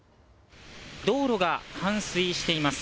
道路が冠水しています。